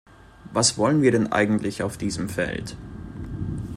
Was wollen wir denn eigentlich auf diesem Feld?